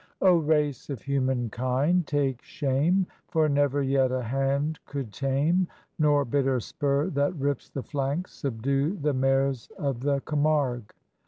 O race of humankind, take shame! For never yet a hand could tame, Nor bitter spur that rips the flanks subdue The mares of the Camargue.